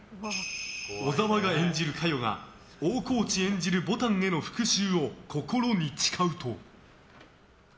小沢が演じる香世が大河内演じるぼたんへの復讐を心に誓うと。